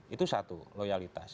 itu satu loyalitas